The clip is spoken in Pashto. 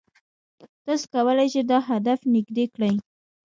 تاسو کولای شئ دا هدف نږدې کړئ.